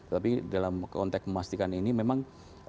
tapi dalam konteks memastikan ini memang